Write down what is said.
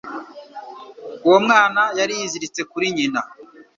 Uwo mwana yari yiziritse kuri nyina.